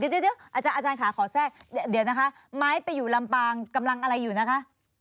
เดี๋ยวอาจารย์ค่ะขอแทรกเดี๋ยวนะคะไม้ไปอยู่ลำปางกำลังอะไรอยู่นะคะ